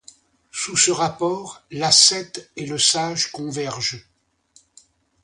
Sous ce rapport l’ascète et le sage convergent.